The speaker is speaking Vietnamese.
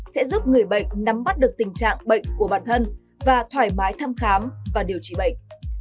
sẽ giúp người bệnh nắm bắt được tình trạng bệnh của bản thân và thoải mái thăm khám và điều trị bệnh